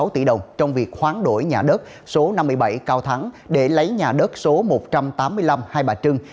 một trăm tám mươi sáu tỷ đồng trong việc khoáng đổi nhà đất số năm mươi bảy cao thắng để lấy nhà đất số một trăm tám mươi năm hai bà trưng